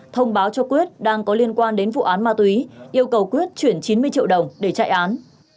thông báo cho quyết đang có liên quan đến vụ án ma túy yêu cầu quyết chuyển chín mươi triệu đồng để chạy án